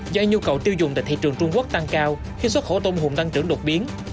do nhu cầu tiêu dùng tại thị trường trung quốc tăng cao khi xuất khẩu tôm hùm tăng trưởng đột biến